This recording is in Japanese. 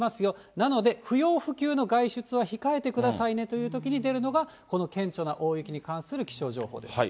なので、不要不急の外出は控えてくださいねというときに出るのが、この顕著な大雪に関する気象情報です。